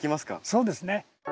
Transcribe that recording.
そうですね。